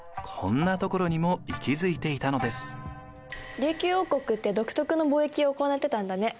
琉球王国って独特の貿易を行ってたんだね。